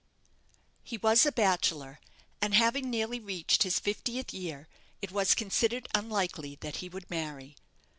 He was a bachelor, and having nearly reached his fiftieth year it was considered unlikely that he would marry.